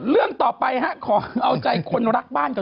เรื่องต่อไปด์ปล่ะเอาใจคนรักบ้านกัน